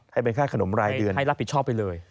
ให้เป็นค่าขนมรายเดือนให้รับผิดชอบไปเลย